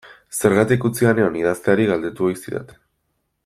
Zergatik utzia nion idazteari galdetu ohi zidaten.